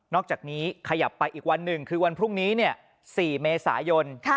อกจากนี้ขยับไปอีกวันหนึ่งคือวันพรุ่งนี้๔เมษายน